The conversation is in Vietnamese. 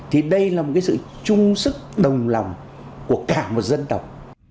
thì đây là một cái sự chung sức đồng lòng của cả một dân tộc